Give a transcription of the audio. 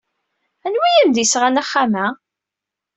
Anwa ay am-d-yesɣan axxam-a?